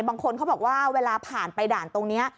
บางคนเขาบอกว่าเวลาผ่านไปด่านตรงนี้